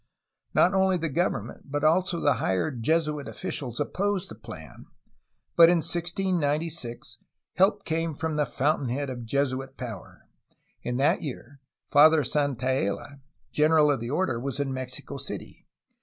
Not only the government but also the higher Jesuit officials opposed the plan, but in 1696 help came from the fountain head of Jesuit power. In that year Father Santaella, general of the order, was in Mexico City.